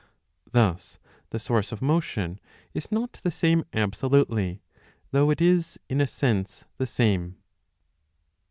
Thus the source of motion is not the same absolutely, though it is in a sense the same.